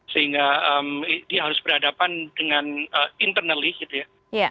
sehingga dia harus berhadapan dengan internally gitu ya